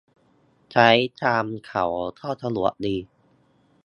ใช้ชามเขาก็สะดวกดี